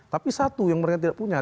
tapi satu yang mereka tidak punya